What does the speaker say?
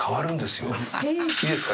いいですか？